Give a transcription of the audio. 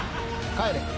帰れ！